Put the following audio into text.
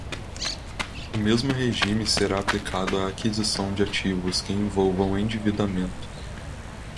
O mesmo regime será aplicado à aquisição de ativos que envolvam endividamento.